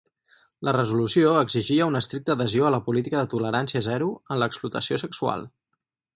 La resolució exigia una estricta adhesió a la política de tolerància zero en l'explotació sexual.